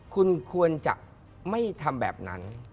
คุณควรจะไม่ทำแบบนั้น